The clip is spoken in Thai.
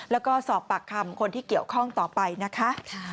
แล้วก็สอบปากคำคนที่เกี่ยวข้องต่อไปนะคะ